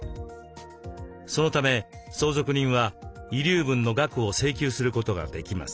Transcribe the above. そのため相続人は遺留分の額を請求することができます。